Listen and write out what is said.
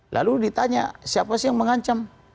lalu ditanya siapa sih yang mengancam